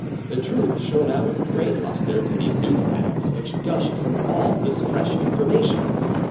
The truth shone out with great lustre through these new facts which gushed from all this fresh information.